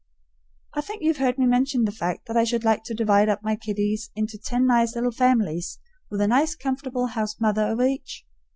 I think you've heard me mention the fact that I should like to divide up my kiddies into ten nice little families, with a nice comfortable house mother over each?